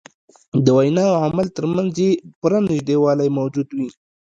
د وینا او عمل تر منځ یې پوره نژدېوالی موجود وي.